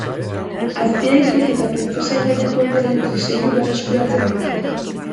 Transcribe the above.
Aztia itzuli eta printzesa engainatu ondoren, kriseilu berreskuratzen du.